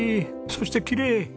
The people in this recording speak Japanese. そしてきれい。